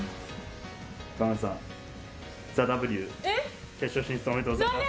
河邑さん、ＴＨＥＷ決勝進出、おめでとうございます。